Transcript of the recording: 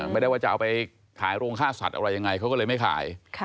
ไม่ได้ว่าจะเอาไปขายโรงค่าสัตว์อะไรยังไงเขาก็เลยไม่ขาย